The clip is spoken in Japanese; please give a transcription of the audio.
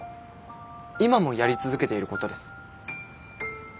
今もやり続けていることです。